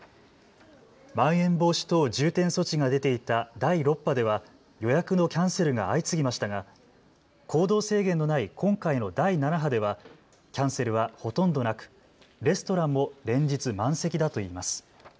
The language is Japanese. まん延防止等重点措置が出ていた第６波では予約のキャンセルが相次ぎましたが行動制限のない今回の第７波ではキャンセルはほとんどなくレストランも連日満席だといいます。